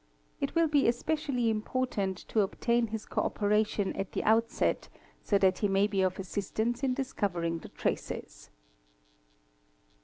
It will be especially important to obtain his co operation at the outset so that he may be of assistance in discovering the traces.